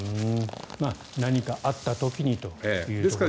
何かあった時にということですね。